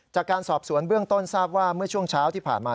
จากการสอบสวนเบื้องต้นทราบว่าเมื่อช่วงเช้าที่ผ่านมา